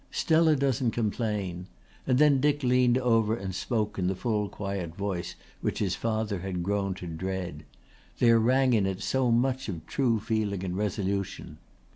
"Stella doesn't complain," and then Dick leaned over and spoke in the full quiet voice which his father had grown to dread. There rang in it so much of true feeling and resolution.